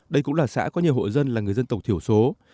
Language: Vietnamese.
đây cũng là xã có nhiều hộ dân là người dân tộc thiểu số